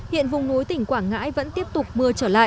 hiện vùng núi tỉnh quảng ngãi vẫn tiếp tục mưa trở lại